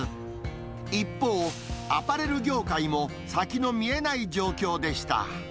一方、アパレル業界も、先の見えない状況でした。